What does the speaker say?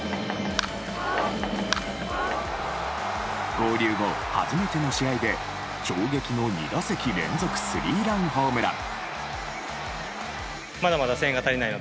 合流後、初めての試合で衝撃の２打席連続スリーランホームラン。